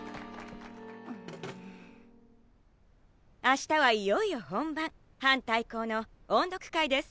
明日はいよいよ本番班対抗の音読会です。